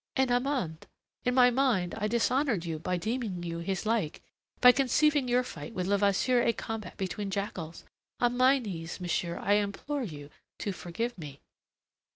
"An amende. In my mind I dishonoured you by deeming you his like, by conceiving your fight with Levasseur a combat between jackals. On my knees, monsieur, I implore you to forgive me."